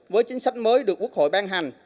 với chính sách mới được quốc hội ban hành